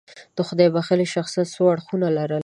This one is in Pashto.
د خدای بښلي شخصیت څو اړخونه لرل.